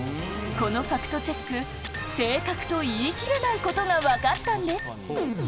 このファクトチェック、正確と言い切れないことが分かったんです。